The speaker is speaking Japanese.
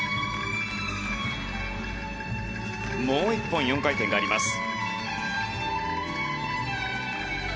もう１本４回転があります。